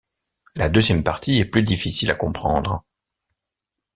La deuxième partie est plus difficile à comprendre.